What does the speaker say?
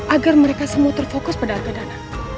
agar mereka semua terfokus pada argadana